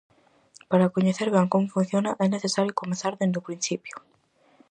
Para coñecer ben como funciona, é necesario comezar dende o principio.